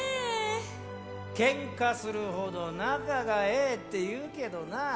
「喧嘩するほど仲がええ」っていうけどな。